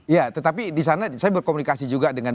ya tetapi di sana saya berkomunikasi juga dengan